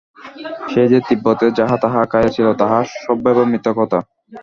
সে যে তিব্বতে যাহা তাহা খাইয়াছিল, তাহা সর্বৈব মিথ্যা কথা।